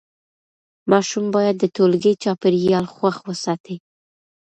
ماشوم باید د ټولګي چاپېریال خوښ وساتي.